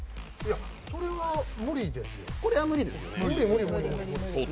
それは無理ですよ。